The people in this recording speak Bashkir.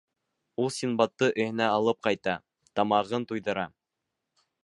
Ул Синдбадты өйөнә алып ҡайта, тамағын туйҙыра.